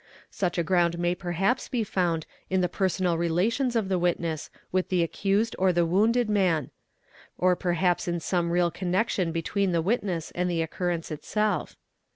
Such a ground may — perhaps be found in the personal relations of the witness with the ac ! cused or the wounded man; or perhaps in some real connection between — the witness and the occurrence itself.